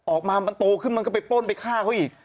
ออกมามันโตขึ้นมันก็ไปป้นไปฆ่าเขาอีก